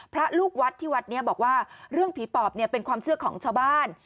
พระลูกวัดที่วัดนี้บอกว่าเรื่องผีปอบเนี่ยเป็นความเชื่อของชาวบ้าน